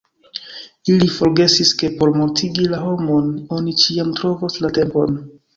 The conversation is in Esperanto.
Ili forgesis, ke por mortigi la homon oni ĉiam trovos la tempon.